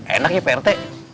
enak ya pak rt